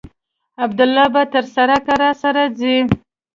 عبدالله به تر سړکه راسره ځي.